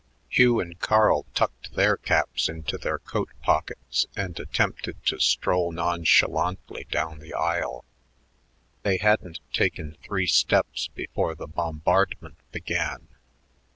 Hugh and Carl tucked their caps into their coat pockets and attempted to stroll nonchalantly down the aisle. They hadn't taken three steps before the bombardment began.